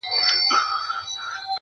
د شعرونو کتابچه وای!.